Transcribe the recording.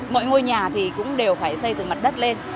mọi ngôi nhà thì cũng đều phải xây từ mặt đất lên